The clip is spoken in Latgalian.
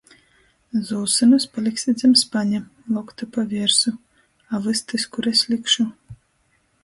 Zūsynus paliksit zam spaņa, loktu pa viersu... A vystys kur es likšu?